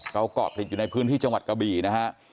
เกาะติดอยู่ในพื้นที่จังหวัดกะบี่นะฮะ